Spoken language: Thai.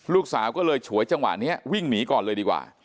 ลูกสาวก็เลยฉวยจังหวะนี้วิ่งหนีก่อนเลยดีกว่า